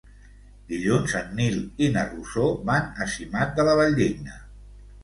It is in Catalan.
Dilluns en Nil i na Rosó van a Simat de la Valldigna.